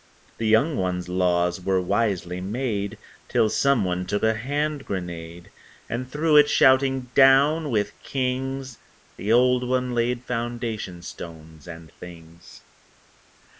The young one's laws were wisely made Till someone took a hand grenade And threw it, shouting, "Down with Kings!" The old one laid foundation stones and things.